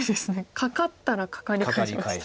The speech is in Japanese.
カカったらカカリ返しました。